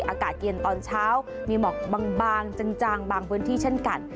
อากาศเย็นตอนเช้ามีหมอกบางจางบางพื้นที่เช่นกัน